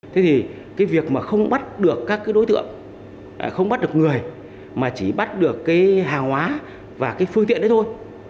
thế thì cái việc mà không bắt được các cái đối tượng không bắt được người mà chỉ bắt được cái hàng hóa và cái phương tiện đấy thôi